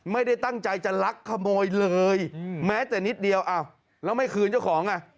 ไม่ได้ตั้งใจจะลักขโมยเลยแม้แต่นิดเดียวอ้าวแล้วไม่คืนเจ้าของอ่ะ